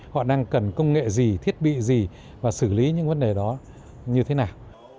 họ đang cần công nghệ gì thiết bị gì và xử lý những vấn đề đó như thế nào